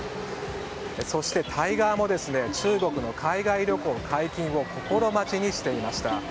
そして、タイ側も中国の海外旅行解禁を心待ちにしていました。